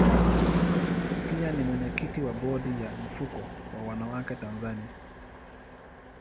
Pia ni mwenyekiti wa bodi ya mfuko wa wanawake Tanzania.